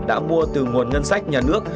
đã mua từ nguồn ngân sách nhà nước